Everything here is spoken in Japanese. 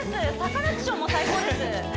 サカナクションも最高です